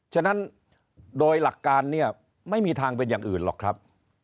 ฉะนั้นโดยหลักการเนี่ยไม่มีทางเป็นอย่างอื่นหรอกครับ